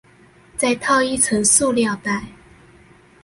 再套一層塑膠袋